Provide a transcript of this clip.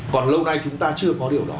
còn lâu nay chúng ta chưa có điều đó